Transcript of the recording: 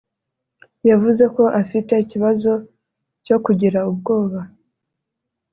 yavuze ko afite ikibazo cyo kugira ubwoba